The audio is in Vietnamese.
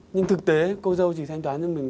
nhưng thực tế cô dâu chỉ thanh toán cho mình